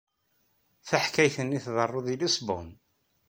Taḥkayt-nni tḍerru deg Lisbun.